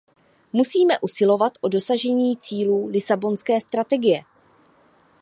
Musíme usilovat o dosažení cílů Lisabonské strategie.